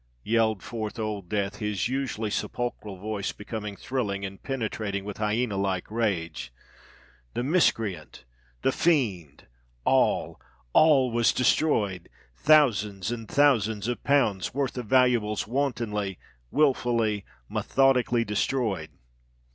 yelled forth Old Death, his usually sepulchral voice becoming thrilling and penetrating with hyena like rage. "The miscreant!—the fiend! All—all was destroyed! Thousands and thousands of pounds' worth of valuables wantonly—wilfully—methodically destroyed!